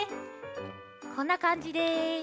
こんなかんじです。